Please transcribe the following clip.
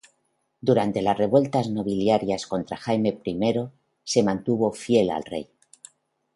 Durante las revueltas nobiliarias contra Jaime I se mantuvo fiel al rey.